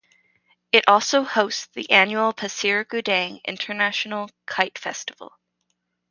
It also hosts the annual Pasir Gudang International Kite Festival.